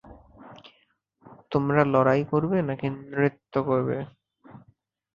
তোমরা লড়াই করবে নাকি নৃত্য করবে?